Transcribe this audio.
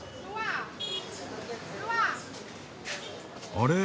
あれ？